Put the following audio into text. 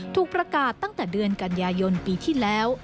ถูกประกาศตั้งแต่เดือนกันยายนปีที่แล้ว